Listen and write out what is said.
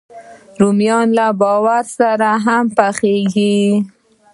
رومیان له بارو سره هم پخېږي